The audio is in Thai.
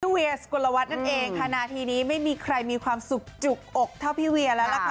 เพื่อเวียสกุลวัดนั่นเองขณะทีนี้ไม่มีใครมีความสุขจุกอกเท่าพี่เวียแล้วนะคะ